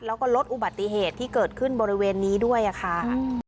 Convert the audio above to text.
แล้วก็ลดอุบัติเหตุที่เกิดขึ้นบริเวณนี้ด้วยค่ะ